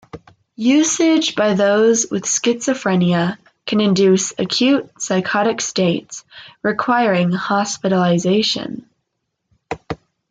Usage by those with schizophrenia can induce acute psychotic states requiring hospitalization.